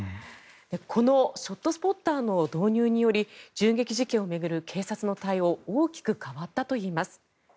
このショットスポッターの導入により銃撃事件を巡る警察の対応大きく変わったといいます。